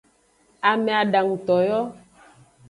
Ame adanguto yo.